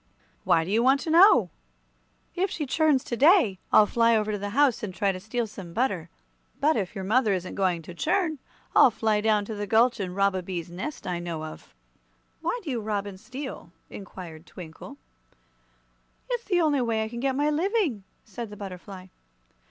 "Why do you want to know?" "If she churns to day, I'll fly over to the house and try to steal some butter. But if your mother isn't going to churn, I'll fly down into the gulch and rob a bees' nest I know of." "Why do you rob and steal?" inquired Twinkle. "It's the only way I can get my living," said the butterfly.